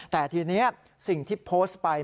แต่ทีนี้สิ่งที่โพสต์ไป